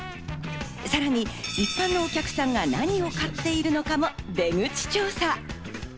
さらに一般のお客さんが何を買っているのかも出口調査。